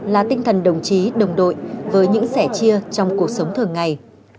là tinh thần đồng chí đồng đội với những sẻ chia trong cuộc sống thường ngày